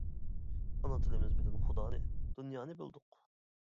ئانا تىلىمىز بىلەن خۇدانى، دۇنيانى بىلدۇق.